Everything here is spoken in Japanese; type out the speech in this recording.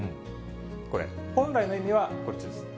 これ、本来の意味はこっちです。